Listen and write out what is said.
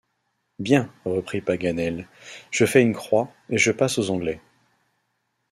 Bien, reprit Paganel, je fais une croix, et je passe aux Anglais.